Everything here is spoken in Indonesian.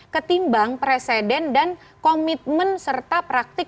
ketimbang presiden dan komitmen serta praktik